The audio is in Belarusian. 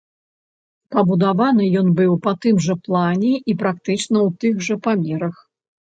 Пабудаваны ён быў па тым жа плане і практычна ў тых жа памерах.